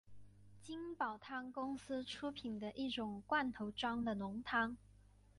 金宝汤公司出品的一种罐头装的浓汤。